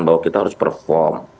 bahwa kita harus perform